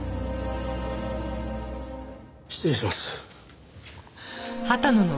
失礼します。